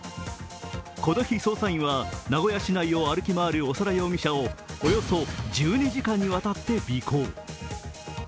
この日、捜査員は名古屋市内を歩き回る長田容疑者をおよそ１２時間にわたって尾行。